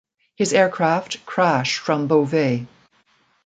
His aircraft crashed from Beauvais.